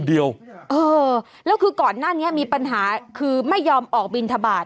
เออแล้วคือก่อนหน้านี้มีปัญหาคือไม่ยอมออกบินทบาท